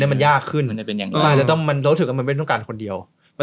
มีเมื่อไรก็ไม่เตรียม